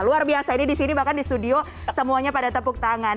luar biasa ini di sini bahkan di studio semuanya pada tepuk tangan